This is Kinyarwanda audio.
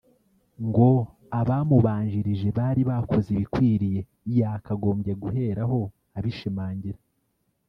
ngo abamubanjirije bari bakoze ibikwiriye yakagombye guheraho abishimangira